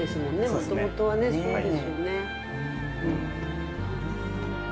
もともとはねそうですよね。